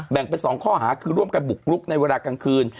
ไป๒ข้อหาคือร่วมกันบุกรุกในเวลากลางคืน